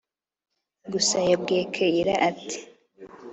gusa yambwi kellia ati